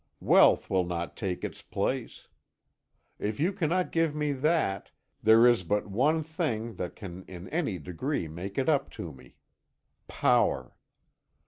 Wealth will not take its place. If you cannot give me that, there is but one thing that can in any degree make it up to me power.